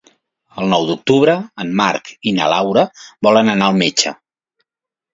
El nou d'octubre en Marc i na Laura volen anar al metge.